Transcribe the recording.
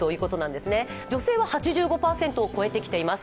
女性は８５％を超えてきています。